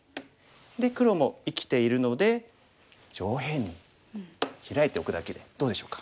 で黒も生きているので上辺にヒラいておくだけでどうでしょうか。